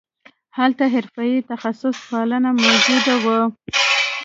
هلته حرفوي تخصص پالنه موجود وو